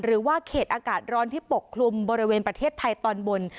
หรือว่าเขตอากาศร้อนที่ปกคลุมบริเวณประเทศไทยตอนบน